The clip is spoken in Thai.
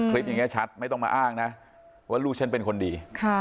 คลิปอย่างนี้ชัดไม่ต้องมาอ้างนะว่าลูกฉันเป็นคนดี